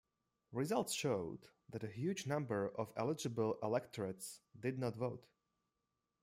Results showed that a huge number of eligible electorates did not vote.